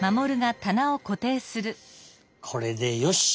これでよし！